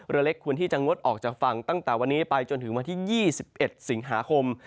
เรือเล็กควรที่จะงดออกจากฝั่งตั้งแต่วันนี้ไปจนถึงวันที่๒๑สิงหาคม